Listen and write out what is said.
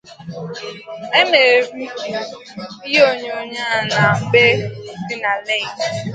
The movie was shot in existing homes on the lake.